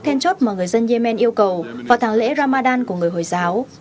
then chốt mà người dân yemen yêu cầu vào tháng lễ ramadan của người hồi giáo